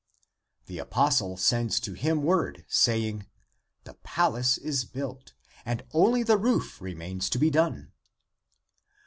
The apostle sends to him word, saying, " The palace is built, and only the roof remains to be done."